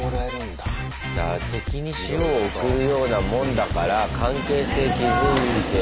敵に塩を送るようなもんだから関係性築いて。